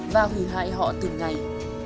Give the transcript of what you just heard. và hủy hại họ từng ngày